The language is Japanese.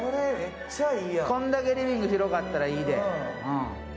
こんだけリビング広かったらええで。